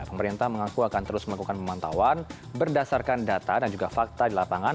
pemerintah mengaku akan terus melakukan pemantauan berdasarkan data dan juga fakta di lapangan